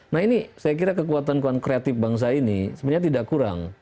nah ini saya kira kekuatan kreatif bangsa ini sebenarnya tidak kurang